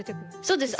そうです。